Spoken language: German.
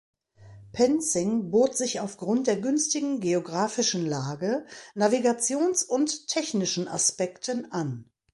Penzing bot sich aufgrund der günstigen geografischen Lage, Navigations- und technischen Aspekten an.